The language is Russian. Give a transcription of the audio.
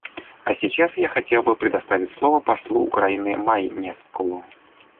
А сейчас я хотел бы предоставить слово послу Украины Маймескулу.